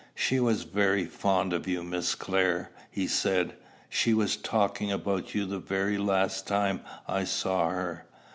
"She was very fond of you, Miss Clare," he said. "She was talking about you the very last time I saw her.